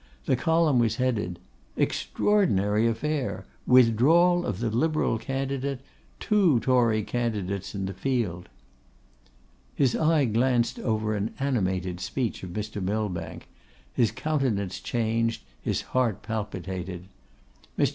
The column was headed, 'Extraordinary Affair! Withdrawal of the Liberal Candidate! Two Tory Candidates in the field!!!' His eye glanced over an animated speech of Mr. Millbank, his countenance changed, his heart palpitated. Mr.